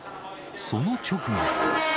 その直後。